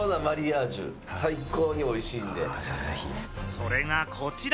それがこちら。